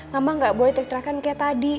mama tidak boleh terik terikan seperti tadi